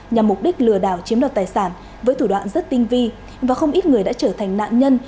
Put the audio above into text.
nhằm mục đích lừa đảo chiếm đoạt tài sản với thủ đoạn rất tinh vi và không ít người đã trở thành nạn nhân